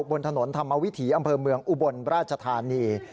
บนถนนธรรมวิถีอำเภอเมืองอุบลราชธานี